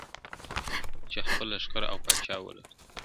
چي خپل مُلا چي خپل لښکر او پاچا ولټوو!.